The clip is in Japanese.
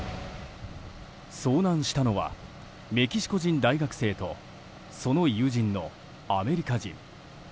遭難したのはメキシコ人大学生とその友人のアメリカ人。